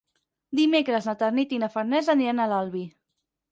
Dimecres na Tanit i na Farners aniran a l'Albi.